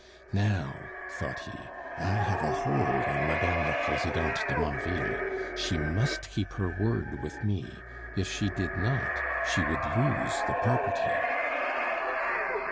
"Now," thought he, "I have a hold on Mme. la Presidente de Marville; she must keep her word with me. If she did not, she would lose the property."